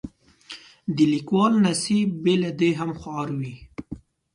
د لیکوالو نصیب بې له دې هم خوار وي.